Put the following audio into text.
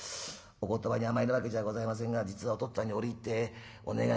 お言葉に甘えるわけじゃございませんが実はおとっつぁんに折り入ってお願いがございまして」。